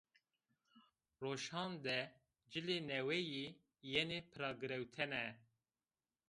Roşan de cilê neweyî yenê piragirewtene